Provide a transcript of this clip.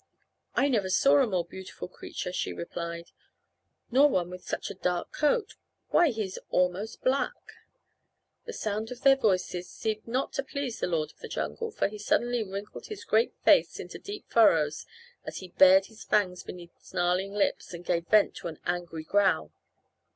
"I never saw a more beautiful creature," she replied, "nor one with such a dark coat. Why, he is almost black." The sound of their voices seemed not to please the lord of the jungle, for he suddenly wrinkled his great face into deep furrows as he bared his fangs beneath snarling lips and gave vent to an angry growl.